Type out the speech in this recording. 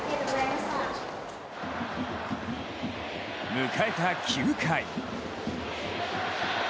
迎えた９回。